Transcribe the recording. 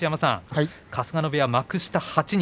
春日野部屋は幕下８人